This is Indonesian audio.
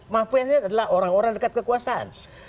mafianya adalah orang orang dekat kekuasaan